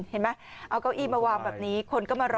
เห็นไหมเอาเก้าอี้มาวางแบบนี้คนก็มารอ